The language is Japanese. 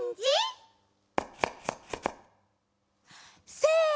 せの！